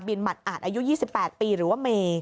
หมัดอาจอายุ๒๘ปีหรือว่าเม